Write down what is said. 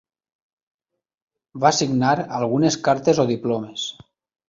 Va signar algunes cartes o diplomes.